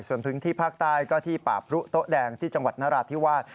ส่วนพื้นที่ภาคใต้ก็ที่ป่าพรุโต๊ะแดงที่จังหวัดนราธิวาส